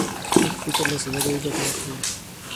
کوږ فکر له سادګۍ ګټه اخلي